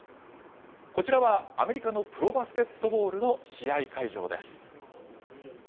こちらは、アメリカのプロバスケットボールの試合会場です。